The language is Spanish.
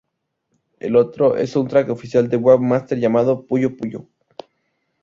El otro es el soundtrack oficial de Wave Master llamado "Puyo Puyo!!